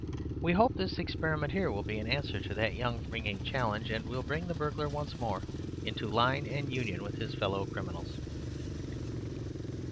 We hope this experiment here will be an answer to that young ringing challenge, and will bring the burglar once more into line and union with his fellow criminals."